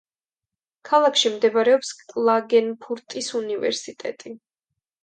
ქალაქში მდებარეობს კლაგენფურტის უნივერსიტეტი.